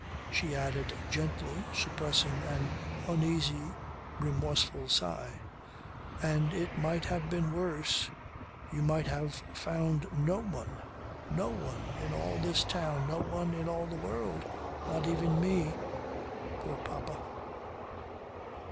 She added gently, suppressing an uneasy remorseful sigh: "And it might have been worse. You might have found no one, no one in all this town, no one in all the world, not even me! Poor papa!"